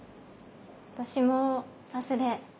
私もパスで。